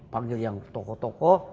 panggil yang tokoh tokoh